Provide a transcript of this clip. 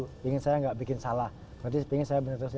dia pingin saya gak bikin salah berarti dia pingin saya bener terus